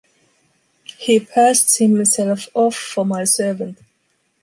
He passed himself off for my servant.